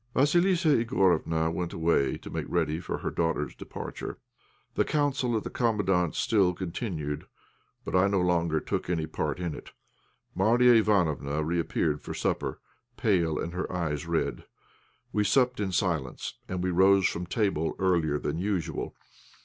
Vassilissa Igorofna went away to make ready for her daughter's departure. The council at the Commandant's still continued, but I no longer took any part in it. Marya Ivánofna reappeared for supper, pale and her eyes red. We supped in silence, and we rose from table earlier than usual.